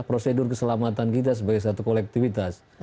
prosedur keselamatan kita sebagai satu kolektivitas